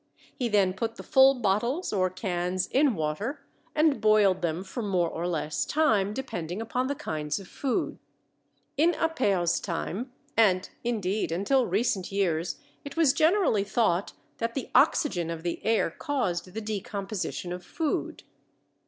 He then put the full bottles or cans in water and boiled them for more or less time, depending upon the kinds of food. In Appert's time and, indeed, until recent years it was generally thought that the oxygen of the air caused the decomposition of food.